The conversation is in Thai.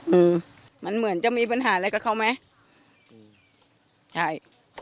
อืมมันเหมือนจะมีปัญหาอะไรกับเขาไหมอืมใช่